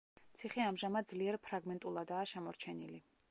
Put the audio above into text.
ციხე ამჟამად ძლიერ ფრაგმენტულადაა შემორჩენილი.